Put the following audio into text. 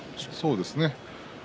そうですね